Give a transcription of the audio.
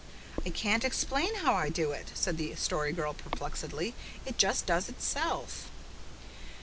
"I can't explain how I do it," said the Story Girl perplexedly. "It just does itself."